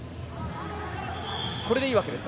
これでいいわけですか。